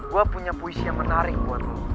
gue punya puisi yang menarik buat lo